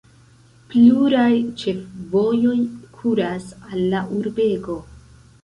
Pluraj ĉefvojoj kuras al la urbego.